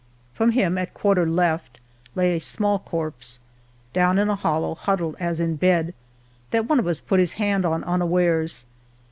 From him, at quarter left, lay a small corpse, Down in a hollow, huddled as in bed. That one of u^ put his hand on unawares.